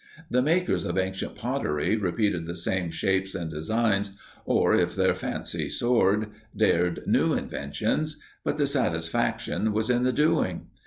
The makers of ancient pottery repeated the same shapes and designs, or, if their fancy soared, dared new inventions, but the satisfaction was in the doing.